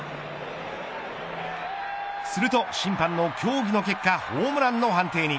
すると、審判の協議の結果ホームランの判定に。